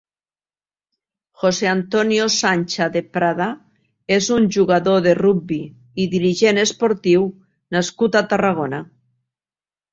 José Antonio Sancha de Prada és un jugador de rugbi i dirigent esportiu nascut a Tarragona.